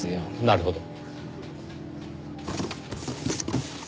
なるほど。